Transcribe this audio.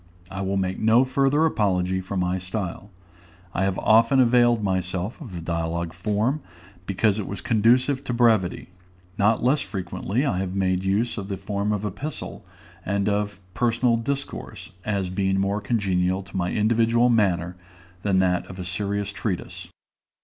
I will make no further apology for my style. I have often availed myself of the dialogue form, because it was conducive to brevity; not less frequently I have made use of the form of the epistle and of personal discourse, as being more congenial to my individual manner than that of a serious treatise.